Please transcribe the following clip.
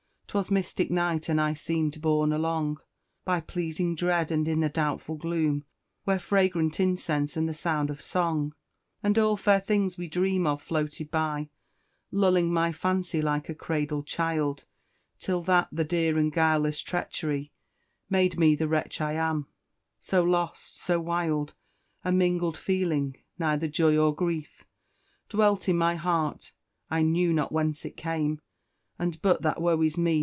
'Twas mystic night, and I seem'd borne along By pleasing dread and in a doubtful gloom, Where fragrant incense and the sound of song, And all fair things we dream of, floated by, Lulling my fancy like a cradled child, Till that the dear and guileless treachery, Made me the wretch I am so lost, so wild A mingled feeling, neither joy or grief, Dwelt in my heart I knew not whence it came, And but that woe is me!